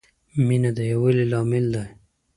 مینه د یووالي لامل ده.